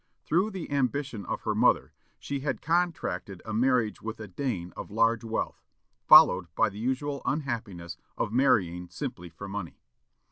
Through the ambition of her mother she had contracted a marriage with a Dane of large wealth, followed by the usual unhappiness of marrying simply for money.